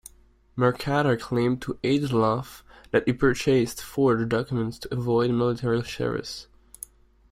Mercader claimed to Ageloff that he purchased forged documents to avoid military service.